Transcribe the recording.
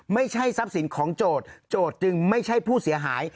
ไม่ใช่ทรัพย์สินของโจทย์โจทย์จึงไม่ใช่ผู้เสียหาย